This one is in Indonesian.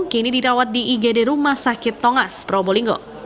kini dirawat di igd rumah sakit tongas probolinggo